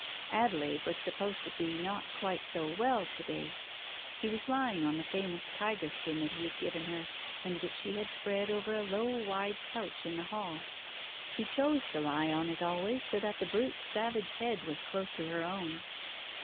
Adelaide was supposed to be not quite so well to day. She was lying on the famous tiger skin that he had given her, and which she had spread over a low wide couch in the hall. She chose to lie on it always, so that the brute's savage head was close to her own.